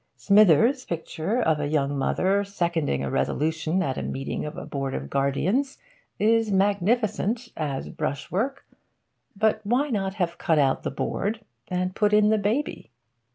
Smithers' picture of a young mother seconding a resolution at a meeting of a Board of Guardians is magnificent, as brushwork. But why not have cut out the Board and put in the baby?